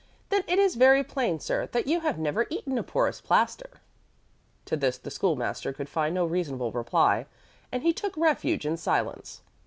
"Then it is very plain, sir, that you have never eaten a porous plaster." To this the School master could find no reasonable reply, and he took refuge in silence.